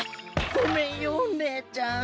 ごめんよねえちゃん。